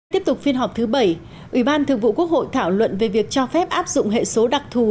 tiếp tục phiên họp thứ bảy ủy ban thường vụ quốc hội thảo luận về việc cho phép áp dụng hệ số đặc thù